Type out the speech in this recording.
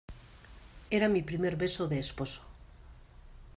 era mi primer beso de esposo.